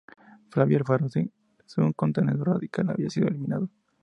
Flavio Alfaro, su contendor radical, había sido eliminado.